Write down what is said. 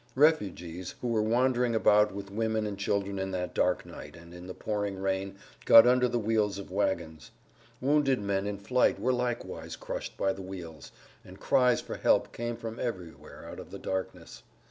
Refugees, who were wandering about with women and children in that dark night and in the pouring rain, got under the wheels of wagons; wounded men in flight were likewise crushed by the wheels; and cries for help came from everywhere out of the darkness.